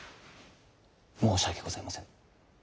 申し訳ございませぬ。